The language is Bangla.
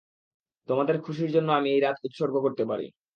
তোমাদের খুশির জন্য আমি এই রাত উৎসর্গ করতে পারি।